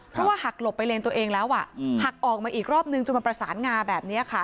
เพราะว่าหักหลบไปเลนตัวเองแล้วอ่ะหักออกมาอีกรอบนึงจนมันประสานงาแบบนี้ค่ะ